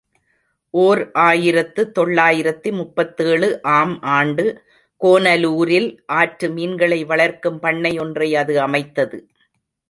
ஓர் ஆயிரத்து தொள்ளாயிரத்து முப்பத்தேழு ஆம் ஆண்டு கோனலூரில் ஆற்று மீன்களை வளர்க்கும் பண்ணை ஒன்றை இது அமைத்தது.